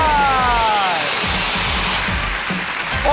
โอ้โห